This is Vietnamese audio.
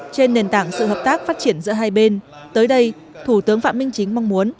trên nền tảng sự hợp tác phát triển giữa hai bên tới đây thủ tướng phạm minh chính mong muốn